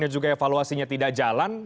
dan juga evaluasinya tidak jalan